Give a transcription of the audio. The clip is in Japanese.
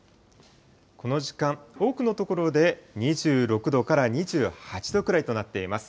この時間、多くの所で２６度から２８度くらいとなっています。